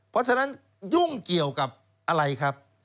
เพราะฉะนั้นยุ่งเกี่ยวกับอะไรครับ